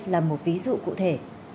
là một ví dụ cụ thể